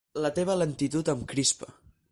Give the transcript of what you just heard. La teva lentitud em crispa!